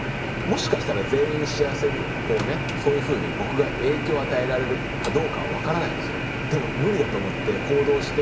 もしかしたら全員幸せにそういうふうに僕が影響を与えられるかどうかは分からないですよ。